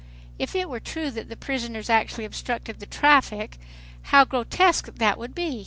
If it were true that the prisoners actually obstructed the traffic, how grotesque that would be.